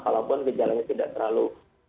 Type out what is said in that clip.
kalaupun kejalannya tidak terlalu